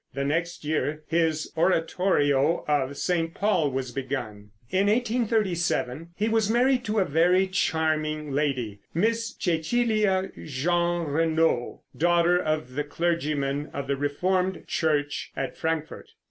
The next year his oratorio of "St. Paul" was begun. In 1837 he was married to a very charming lady Miss Cecilia Jeanrenaud, daughter of a clergyman of the Reformed Church at Frankfort.